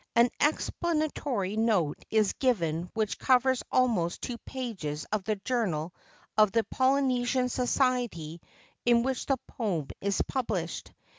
An explanatory note is given which covers almost two pages of the Journal of the Poly¬ nesian Society in which the poem is published.